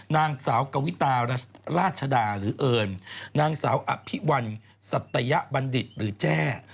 นางสาวกวิตาราชดาหรือเอิญนางสาวอภิวัลสัตยบัณฑิตหรือแจ้